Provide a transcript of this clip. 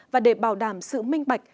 và để bảo đảm sự minh bạch